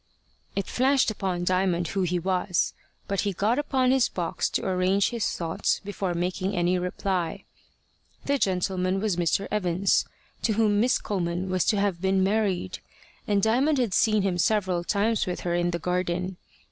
It flashed upon Diamond who he was. But he got upon his box to arrange his thoughts before making any reply. The gentleman was Mr. Evans, to whom Miss Coleman was to have been married, and Diamond had seen him several times with her in the garden.